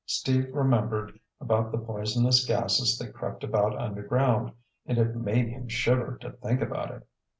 Steve remembered about the poisonous gases that crept about underground and it made him shiver to think about it.